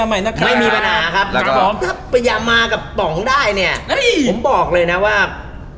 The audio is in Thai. ให้คนกิน๓ต้นพอ